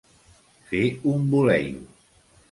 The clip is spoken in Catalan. Fer un voleio.